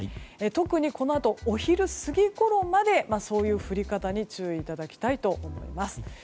特にこのあと、お昼過ぎごろまでそういう降り方に注意いただきたいと思います。